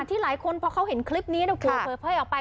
ที่หลายคนเพราะเขาเห็นคลิปนี้เดี๋ยวพูดเผยออกไป